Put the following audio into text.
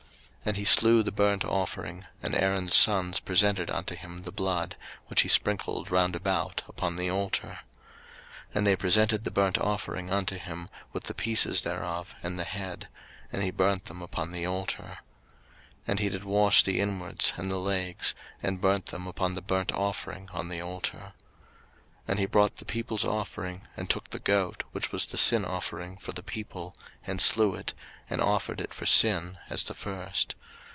03:009:012 And he slew the burnt offering; and Aaron's sons presented unto him the blood, which he sprinkled round about upon the altar. 03:009:013 And they presented the burnt offering unto him, with the pieces thereof, and the head: and he burnt them upon the altar. 03:009:014 And he did wash the inwards and the legs, and burnt them upon the burnt offering on the altar. 03:009:015 And he brought the people's offering, and took the goat, which was the sin offering for the people, and slew it, and offered it for sin, as the first.